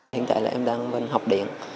hiện tại là em đang học điện